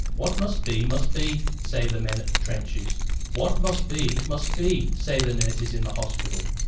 "What must be, must be," say the men in the trenches. "What must be, must be," say the nurses in the hospital.